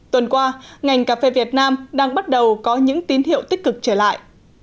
tuần qua ngành cà phê việt nam đang bắt đầu có những tín hiệu tích cực trở lại